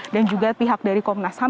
dan juga pihak dari komnas ham